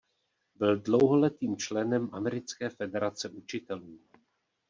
Byl dlouholetým členem Americké federace učitelů.